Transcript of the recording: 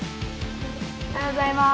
おはようございます！